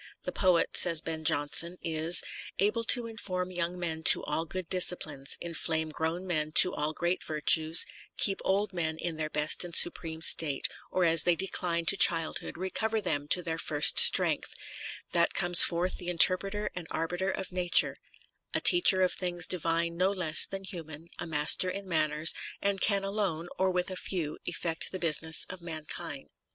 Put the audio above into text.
The poet, says Ben Jonson, is able to inform young men to all good disciplines, inflame grown men to all great virtues, keep old men in their best and supreme state, or as they decline to childhood recover them to their first strength ; that comes forth the interpreter and arbiter of nature, a teacher of things divine no less lian human, a master in manners ; and can alone, or vdth a fevr, effect the business of mankind.